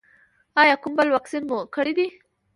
ایا کوم بل واکسین مو کړی دی؟